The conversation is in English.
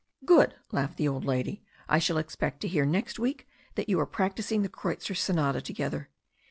"Good," laughed the old lady. "I shall expect to hear next week that you are practising the Kreutzer Sonata to gether."